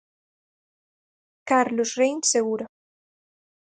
Carlos Rein Segura.